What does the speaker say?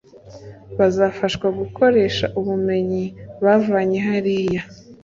bazafashwa gukoresha ubumenyi bavanye hariya